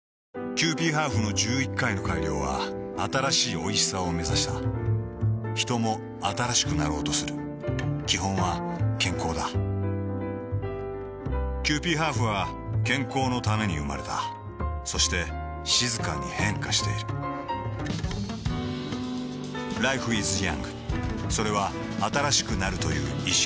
キユーピーハーフの１１回の改良は新しいおいしさをめざしたヒトも新しくなろうとする基本は健康だキユーピーハーフは健康のために生まれたそして静かに変化しているＬｉｆｅｉｓｙｏｕｎｇ．それは新しくなるという意識